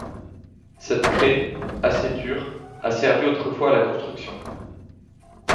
Cette craie, assez dure, a servi autrefois à la construction.